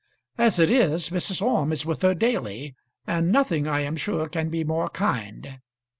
As it is, Mrs. Orme is with her daily, and nothing I am sure can be more kind.